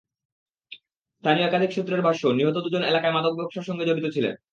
স্থানীয় একাধিক সূত্রের ভাষ্য, নিহত দুজন এলাকায় মাদক ব্যবসার সঙ্গে জড়িত ছিলেন।